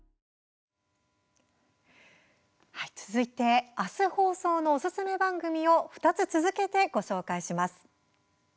続いて明日放送のおすすめ番組を２つ続けてご紹介します。